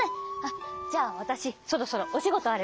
じゃあわたしそろそろおしごとあるから。